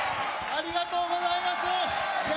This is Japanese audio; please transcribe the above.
ありがとうございます！